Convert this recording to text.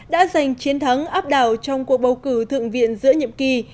đã giành chiến thắng áp đảo trong cuộc bầu cử thượng viện giữa nhiệm kỳ